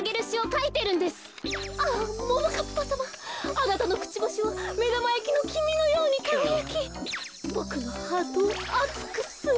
あなたのクチバシはめだまやきのきみのようにかがやきボクのハートをあつくする。